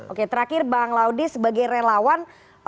oke terakhir bang laude sebagai relawan